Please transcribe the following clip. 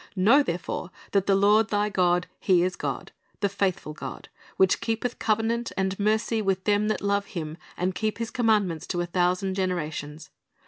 ... Know therefore that the Lord thy God, He is God, the faithful God, which keepeth covenant and mercy with them that love Him and keep His commandments to a thousand genera tions.